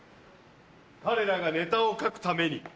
彼らがネタを書くために。